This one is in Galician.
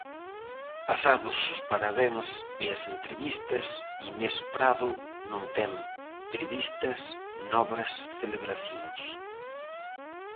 Pasados os parabéns e as entrevistas, Inés Prado non ten previstas novas celebracións.